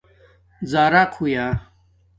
زارق ہویا